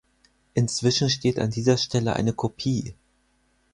Inzwischen steht an dieser Stelle eine Kopie.